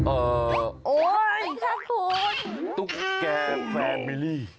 เอ่อโอ๊ยตุ๊กแก่แฟมิลี่โอ๊ยชักคุณ